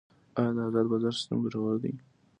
آیا د ازاد بازار سیستم ګټور دی؟